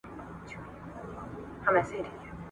ګوندي وي په یوه کونج کي وکړي دمه ..